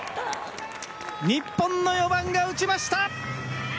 日本の４番が打ちました。